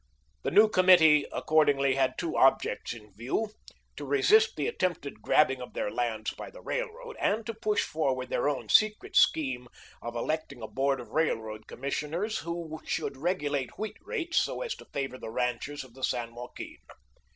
The new committee accordingly had two objects in view: to resist the attempted grabbing of their lands by the Railroad, and to push forward their own secret scheme of electing a board of railroad commissioners who should regulate wheat rates so as to favour the ranchers of the San Joaquin.